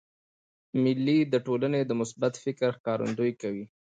مېلې د ټولني د مثبت فکر ښکارندویي کوي.